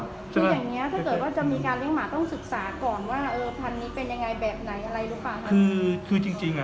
คืออย่างนี้ถ้าเกิดว่าจะมีการเลี้ยงหมาต้องศึกษาก่อนว่าเออพันธุ์นี้เป็นยังไงแบบไหนอะไรดูค่ะ